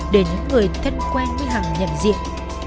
để những người thân quen với hằng nhận diện